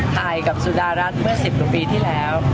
ถ่ายกับสุดรัฐเมื่อสิบหนึ่งปีที่แรว